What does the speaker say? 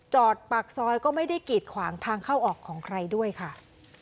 ปากซอยก็ไม่ได้กีดขวางทางเข้าออกของใครด้วยค่ะ